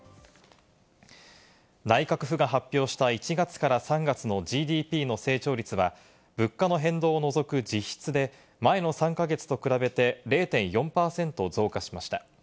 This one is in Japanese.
内閣府が発表した１月から３月のＧＤＰの成長率は物価の変動を除く実質で前の３か月と比べて０．４％増加しました。